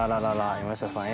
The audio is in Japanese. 「山下さんへ」